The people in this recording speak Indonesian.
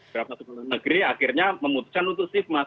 berapa sekolah negeri akhirnya memutuskan untuk shift mas